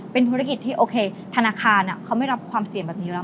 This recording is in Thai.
เป็นธุรกิจที่โอเคธนาคารเขาไม่รับความเสี่ยงแบบนี้แล้ว